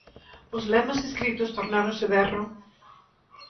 Os lemas escritos tornáronse berro.